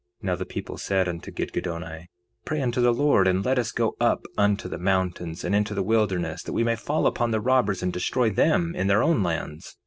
3:20 Now the people said unto Gidgiddoni: Pray unto the Lord, and let us go up upon the mountains and into the wilderness, that we may fall upon the robbers and destroy them in their own lands.